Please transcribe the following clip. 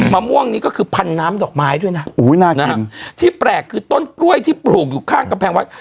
มะม่วงนี้ก็คือพันน้ำดอกไม้ด้วยนะอุ้ยน่านะฮะที่แปลกคือต้นกล้วยที่ปลูกอยู่ข้างกำแพงวัด